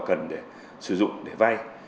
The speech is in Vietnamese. cần để sử dụng để vay